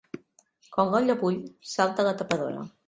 Quan l'olla bull, salta la tapadora.